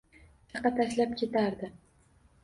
Chaqa tashlab ketardi.